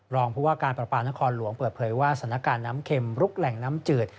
รองผู้ว่าการประปานครหลวงเปิดเผยว่าสถานการณ์น้ำเข็มลุกแหล่งน้ำจืด